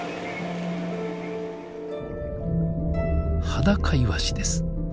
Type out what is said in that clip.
ハダカイワシです。